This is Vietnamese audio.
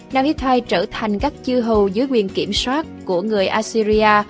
nel hittite trở thành các chư hầu dưới quyền kiểm soát của người assyria